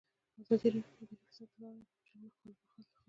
ازادي راډیو د اداري فساد په اړه د مجلو مقالو خلاصه کړې.